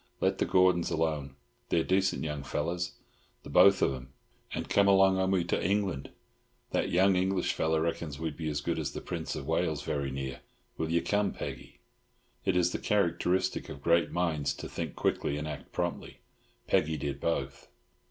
Let the Gordons alone—they're decent young fellows, the both of 'em—and come along o' me to England. That young English feller reckons we'd be as good as the Prince of Wales, very near. Will you come, Peggy?" It is the characteristic of great minds to think quickly, and act promptly. Peggy did both.